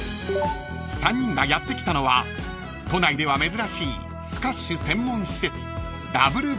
［３人がやって来たのは都内では珍しいスカッシュ専門施設］